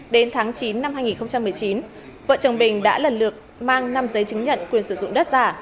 đến tháng chín năm hai nghìn một mươi chín vợ chồng bình đã lần lượt mang năm giấy chứng nhận quyền sử dụng đất giả